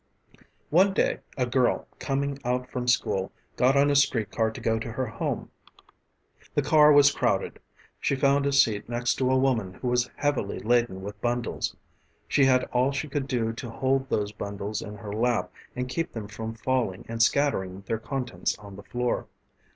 One day a girl, coming out from school, got on a street car to go to her home. The car was crowded. She found a seat next to a woman who was heavily laden with bundles. She had all she could do to hold those bundles in her lap and keep them from falling and scattering their contents on the floor.